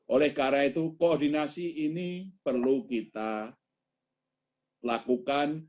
oleh karena itu koordinasi ini perlu kita lakukan